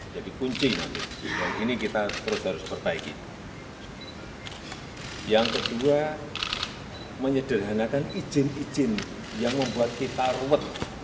yang kedua menyederhanakan izin izin yang membuat kita ruwet